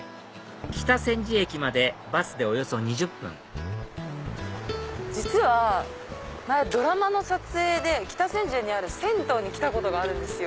北千住駅までバスでおよそ２０分実は前ドラマの撮影で北千住にある銭湯に来たんですよ。